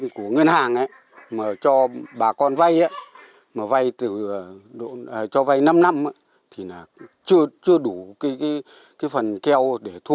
của ngân hàng ấy mà cho bà con vay ấy mà vay từ cho vay năm năm thì là chưa đủ cái cái phần keo để thu